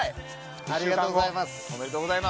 ありがとうございます。